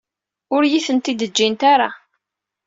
Ur iyi-tent-id-ǧǧant ara.